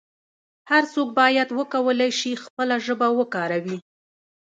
هر څوک باید وکولای شي خپله ژبه وکاروي.